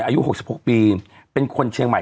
เราก็มีความหวังอะ